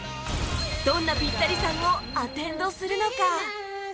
どんなピッタリさんをアテンドするのか？